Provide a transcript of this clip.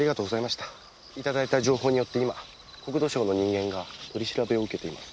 いただいた情報によって今国土省の人間が取り調べを受けています。